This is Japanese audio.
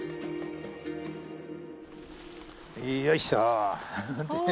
よいしょ。